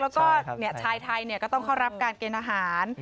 แล้วก็ชายไทยก็ต้องเข้ารับการเกณฑ์อาหาร